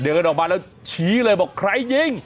เดินออกมาแล้วชี้เลยบอกใครยิง